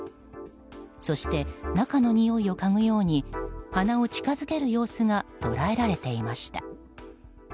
そして、中のにおいをかぐように鼻を近づける様子が捉えられていました。